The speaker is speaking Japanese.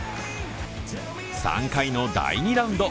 ３回の第２ラウンド。